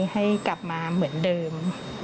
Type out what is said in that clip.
ให้กลับมาเหมือนเดิม